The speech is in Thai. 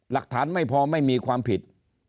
หลักฐานไม่พอไม่มีความผิด